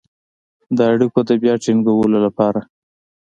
د اړیکو د بيا ټينګولو لپاره